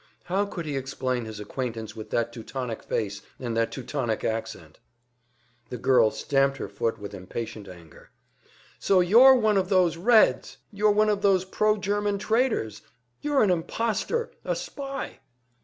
How could he explain his acquaintance with that Teutonic face and that Teutonic accent? The girl stamped her foot with impatient anger. "So you're one of those Reds! You're one of those pro German traitors! You're an imposter, a spy!"